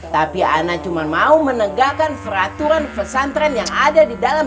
tapi ana cuma mau menegakkan peraturan pesantren yang ada di dalam